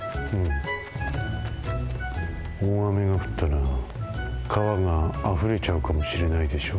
おおあめがふったらかわがあふれちゃうかもしれないでしょ。